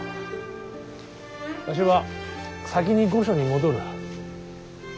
わしは先に御所に戻る。